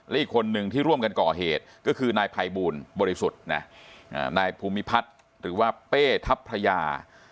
และอีกคนนึงที่ร่วมกันก่อเหตุก็คือนายภัยบูลบริสุทธิ์นะนายภูมิพัฒน์หรือว่าเป้ทัพพระยา